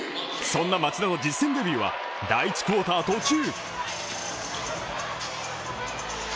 そんな町田の実戦デビューは第１クォーター途中。